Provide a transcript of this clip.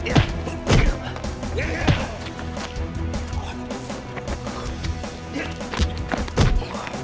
aku mau ke kota ini